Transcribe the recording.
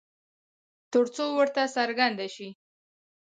ترڅو ورته څرگنده شي